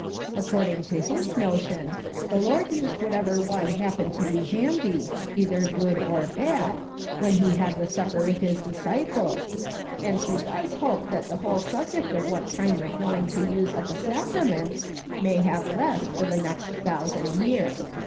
According to his notion, the Lord used whatever wine happened to be handy, either good or bad, when he had the supper with his disciples, and he does hope that the whole subject of what kind of wine to use at the sacrament may have rest for the next thousand years.